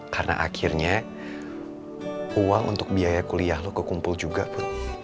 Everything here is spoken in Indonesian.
karena akhirnya uang untuk biaya kuliah lo kekumpul juga put